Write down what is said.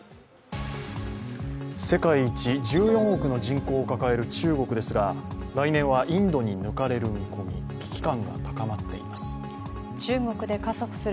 世界一１４億の人口を抱える中国ですが、来年はインドに抜かれる見込み、危機感が高まっています。